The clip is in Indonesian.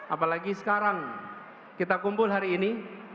apalagi sekarang kita kumpul hari ini